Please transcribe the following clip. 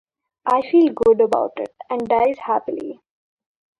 I feel good about it, and dies happily.